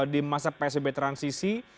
di masa psbb transisi